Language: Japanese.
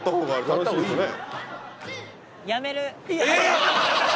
楽しいですよね。